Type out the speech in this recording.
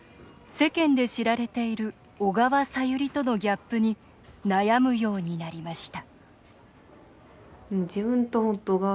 世間で知られている「小川さゆり」とのギャップに悩むようになりました